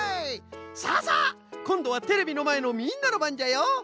さあさあこんどはテレビのまえのみんなのばんじゃよ。